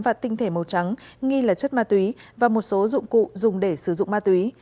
và tinh thể màu trắng nghi là chất ma túy và một số dụng cụ dùng để sử dụng ma túy